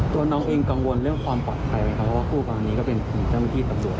ตัวน้องเองกังวลเรื่องความปลอดภัยไหมครับเพราะว่าภูมิต้องการมีที่ตรับสูญ